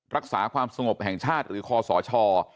รักษาความสงบแห่งชาติหรือคอสช